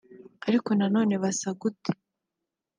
ariko nanone basa gute